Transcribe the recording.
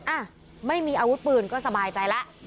อ่ะไม่มีอาวุธปืนก็สบายใจแล้ว